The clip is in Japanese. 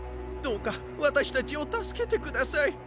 どうかわたしたちをたすけてください。